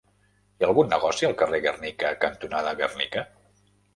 Hi ha algun negoci al carrer Gernika cantonada Gernika?